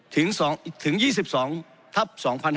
ถึง๒๒ทับ๒๕๕๙